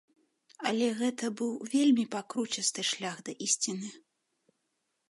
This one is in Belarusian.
Але гэта быў вельмі пакручасты шлях да ісціны.